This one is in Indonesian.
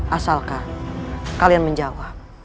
asalkan kalian menjawab